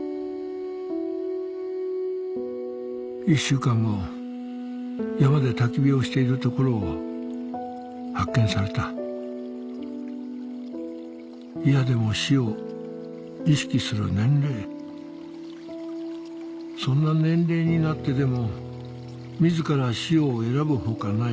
１週間後山で焚き火をしているところを発見された嫌でも死を意識する年齢そんな年齢になってでも自ら死を選ぶ他ない